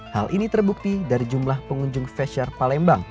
hal ini terbukti dari jumlah pengunjung feshare palembang